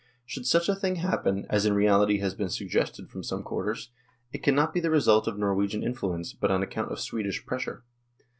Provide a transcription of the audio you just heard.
Should such a thing happen, as in reality has been suggested from some quarters, it cannot be the result of Norwegian influence, but on account of Swedish pressure.